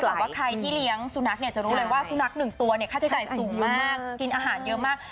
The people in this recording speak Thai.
แต่ว่าใครที่เลี้ยงสุนัขเนี่ยจะรู้เลยว่าสุนัขหนึ่งตัวเนี่ยค่าใช้จ่ายสูงมากกินอาหารเยอะมาก